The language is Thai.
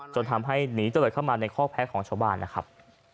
จนทำให้หนีเจริญเข้ามาในข้อแพ้ของชาวบ้านนะครับ